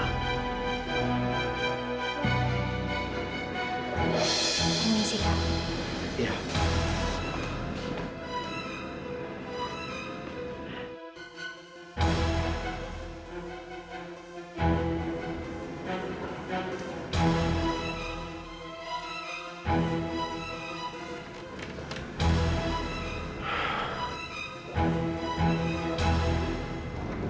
ini sih kak